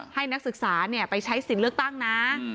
ให้นักศึกษาไปใช้สิทธิ์เลือกตั้งนะ